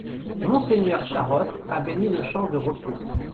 Mgr Charost, a béni le champ de repos.